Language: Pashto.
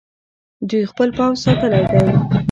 دوی خپل پوځ ساتلی دی.